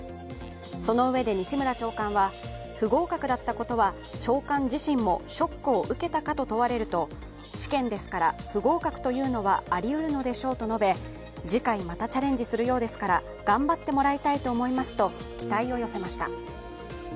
そのうえで、西村長官は不合格だったことは長官自身もショックを受けたかと問われると試験ですから、不合格というのはありうるのでしょうと述べ次回、またチャレンジするようですから頑張ってもらいたいと思いますと期待を寄せました。